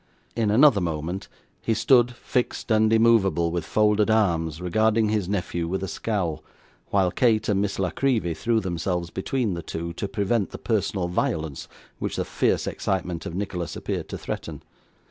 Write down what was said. In another moment, he stood, fixed and immovable with folded arms, regarding his nephew with a scowl; while Kate and Miss La Creevy threw themselves between the two, to prevent the personal violence which the fierce excitement of Nicholas appeared to threaten.